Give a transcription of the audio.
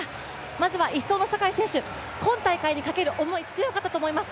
まずは１走の坂井選手、今大会にかける思い、強かったと思います。